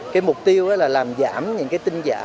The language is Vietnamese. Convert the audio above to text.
cái mục tiêu là làm giảm những tin giả